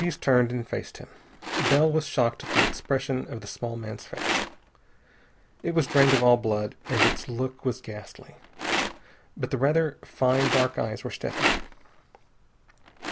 Ortiz turned and faced him. Bell was shocked at the expression on the small man's face. It was drained of all blood, and its look was ghastly. But the rather fine dark eyes were steady.